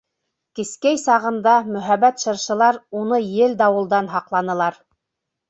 Кескәй сағында мөһабәт шыршылар уны ел-дауылдан һаҡланылар.